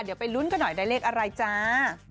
เดี๋ยวไปลุ้นกันหน่อยได้เลขอะไรจ้า